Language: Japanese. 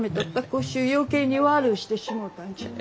う余計に悪うしてしもうたんじゃ。